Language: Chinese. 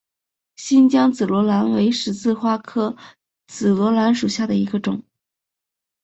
新疆紫罗兰为十字花科紫罗兰属下的一个种。